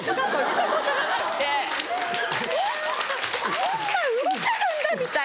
こんな動けるんだみたいな。